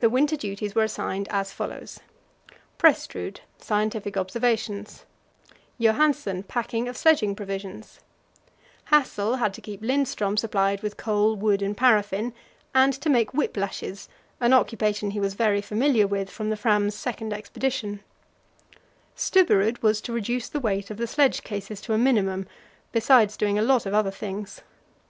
The winter duties were assigned as follows: Prestrud, scientific observations; Johansen, packing of sledging provisions; Hassel had to keep Lindström supplied with coal, wood, and paraffin, and to make whip lashes an occupation he was very familiar with from the Fram's second expedition; Stubberud was to reduce the weight of the sledge cases to a minimum, besides doing a lot of other things.